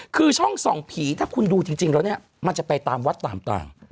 คือช่องส่องผีถ้าคุณดูจริงแล้วเนี่ยมันจะไปตามวัดต่าง